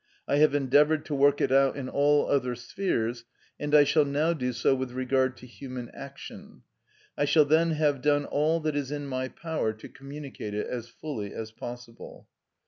I have endeavoured to work it out in all other spheres, and I shall now do so with regard to human action. I shall then have done all that is in my power to communicate it as fully as possible.